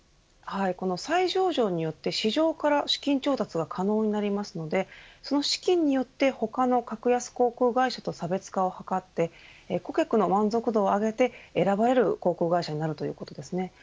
この再上場によって市場から資金調達が可能になりますのでその資金によって他の格安航空会社と差別化を図って顧客の満足度を上げて選ばれる航空会社になるということですね。